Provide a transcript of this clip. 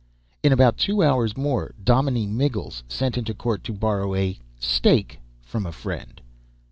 ] In about two hours more Dominie Miggles sent into court to borrow a "stake" from a friend.